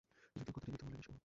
যদিও কথাটা মিথ্যা বলেনি ও!